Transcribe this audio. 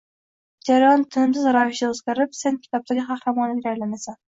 Jarayon tinimsiz ravishda o‘zgarib, sen kitobdagi qahramonlarga aylanasan